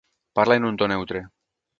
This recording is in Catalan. Parla en un to neutre.